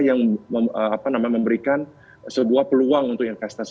yang memberikan sebuah peluang untuk investasi